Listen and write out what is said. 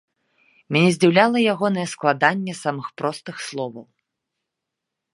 Мяне здзіўляла ягонае складанне самых простых словаў.